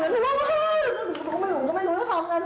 หนูก็ไม่รู้หนูก็ไม่รู้ว่าทำงาน